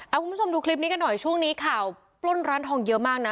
คุณผู้ชมดูคลิปนี้กันหน่อยช่วงนี้ข่าวปล้นร้านทองเยอะมากนะ